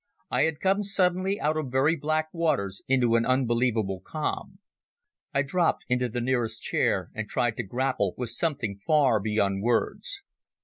I had come suddenly out of very black waters into an unbelievable calm. I dropped into the nearest chair and tried to grapple with something far beyond words.